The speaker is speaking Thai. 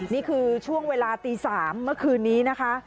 นี่คือช่วงเวลาตี๓เมื่อคืนนี้นะคะ